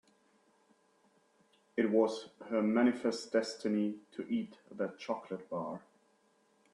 It was her manifest destiny to eat that chocolate bar.